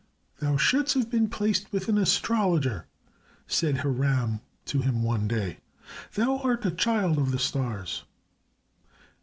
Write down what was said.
"Thou shouldst have been placed with an astrologer," said Haran to him one day. "Thou art a child of the stars."